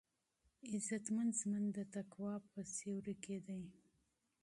عزتمن ژوند د تقوا په سیوري کې دی.